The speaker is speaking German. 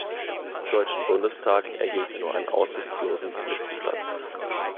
Deutschen Bundestag erhielt er nur einen aussichtslosen Listenplatz.